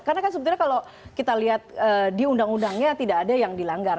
karena kan sebetulnya kalau kita lihat di undang undangnya tidak ada yang dilanggar